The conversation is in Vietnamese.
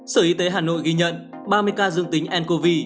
sở y tế hà nội ghi nhận ba mươi ca dương tính ncov